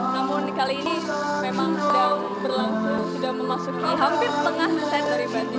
namun kali ini memang sudah memasuki hampir tengah set dari batik